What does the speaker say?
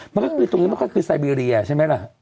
มันก็คือตรงนี้มันก็คือไซเบีเรียใช่ไหมล่ะ